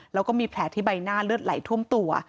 แล้วก็มีแผลที่ใบหน้าเลือดไหลท่วมตัว